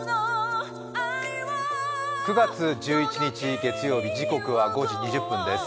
９月１１日月曜日、時刻は５時２０分です。